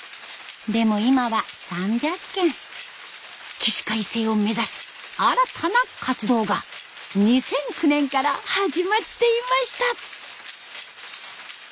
起死回生を目指し新たな活動が２００９年から始まっていました。